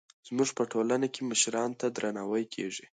زموږ په ټولنه کې مشرانو ته درناوی کېږي.